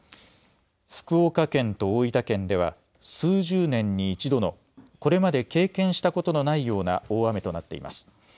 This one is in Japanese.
福岡県と大分県では数十年に一度のこれまで経験したことのないような大雨となっています。